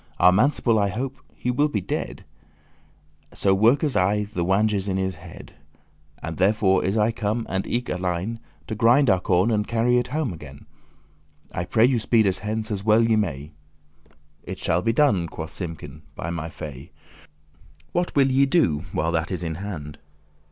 Our manciple I hope* he will be dead, *expect So workes aye the wanges* in his head: *cheek teeth <8> And therefore is I come, and eke Alein, To grind our corn and carry it home again: I pray you speed us hence as well ye may." "It shall be done," quoth Simkin, "by my fay. What will ye do while that it is in hand?"